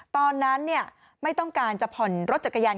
ตอนนั้นเนี่ยไม่ต้องการจะผ่อนรถจัดกายัน